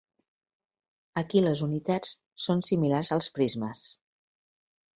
Aquí les unitats són similars als prismes.